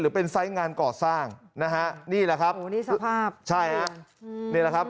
หรือเป็นไซฟ์งานก่อสร้างนี่ล่ะครับ